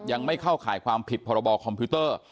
ยังไม่เข้าข่ายความผิดพรบคอมพิวเตอร์